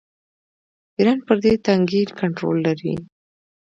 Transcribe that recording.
ایران پر دې تنګي کنټرول لري.